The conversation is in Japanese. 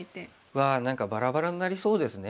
わあ何かバラバラになりそうですね